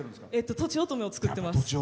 とちおとめを作ってます。